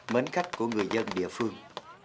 mến khách của người dân địa phương